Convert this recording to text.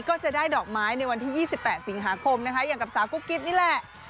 ก็จะได้ดอกไม้ในวันที่๒๘สิงหาคมนะคะอย่างกับสาวกุ๊กกิ๊บนี่แหละ